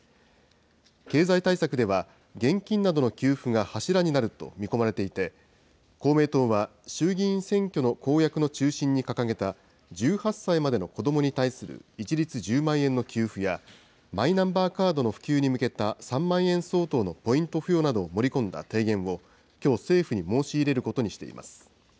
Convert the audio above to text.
経済対策では、現金などの給付が柱になると見込まれていて、公明党は衆議院選挙の公約の中心に掲げた１８歳までの子どもに対する一律１０万円の給付や、マイナンバーカードの普及に向けた３万円相当のポイント付与を盛り込んだ提言を、きょう政府に申し入れることにしています。